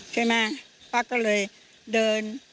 ใช่ไหมป้าก็เลยเดิน